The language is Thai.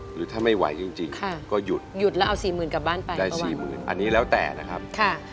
หรือถ้าไม่ไหวจริงจริงค่ะก็หยุดหยุดแล้วเอาสี่หมื่นกลับบ้านไปได้สี่หมื่นอันนี้แล้วแต่นะครับค่ะ